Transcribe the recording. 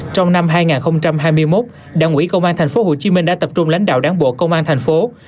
trong năm hai nghìn hai mươi một đảng ủy công an tp hcm đã tập trung lãnh đạo đáng bộ công an tp hcm